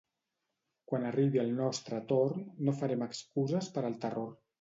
Quan arribi el nostre torn, no farem excuses per al terror.